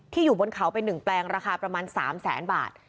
ที่อยู่บนเขาเป็นหนึ่งแปลงราคาประมาณ๓แสนบาท